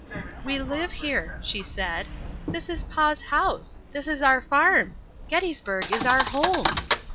"We live here," she said. "This is Pa's house. This is our farm. Gettysburg is our home.